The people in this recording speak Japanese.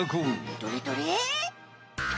どれどれ？